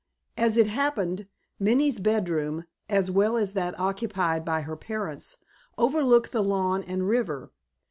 As it happened, Minnie's bedroom, as well as that occupied by her parents, overlooked the lawn and river.